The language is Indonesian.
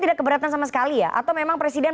tidak keberatan sama sekali ya atau memang presiden